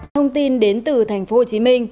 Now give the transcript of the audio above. thông tin đến từ tp hcm